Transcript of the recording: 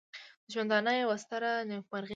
د ژوندانه یوه ستره نېکمرغي ده.